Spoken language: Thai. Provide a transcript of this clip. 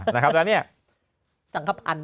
เราเข้าไปตอนนี้